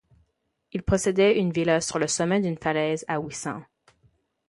Il possédait une villa sur le sommet d’une falaise, à Wissant.